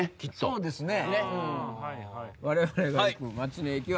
そうですね。